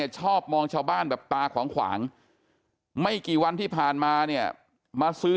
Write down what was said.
ชอบมองชาวบ้านแบบตาขวางไม่กี่วันที่ผ่านมาเนี่ยมาซื้อ